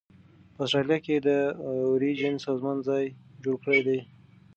په اسټرالیا کې د اوریجن سازمان ځای جوړ کړی دی.